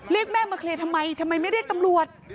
เรียกแม่มาเคลียร์ทำไมทำไมไม่เรียกตำรวจ